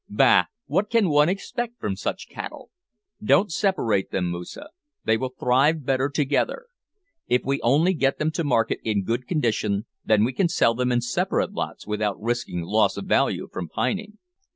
Bah! what can one expect from such cattle? Don't separate them, Moosa. They will thrive better together. If we only get them to market in good condition, then we can sell them in separate lots without risking loss of value from pining."